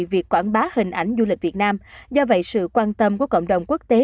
việc quảng bá hình ảnh du lịch việt nam do vậy sự quan tâm của cộng đồng quốc tế